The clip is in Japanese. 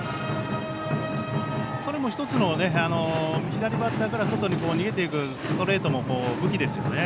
それも１つの左バッターから外に逃げていくストレートも武器ですよね。